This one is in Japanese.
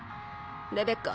レベッカ